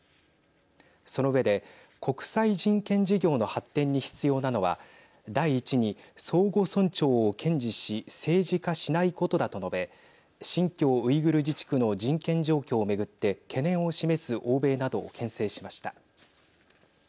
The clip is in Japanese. その上で国際人権事業の発展に必要なのは第１に相互尊重を堅持し政治化しないことだと述べ新疆ウイグル自治区の人権状況をめぐって懸念を示す欧米などをけん制しました。